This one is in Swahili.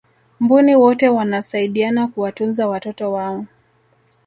mbuni wote wanasaidiana kuwatunza watoto wao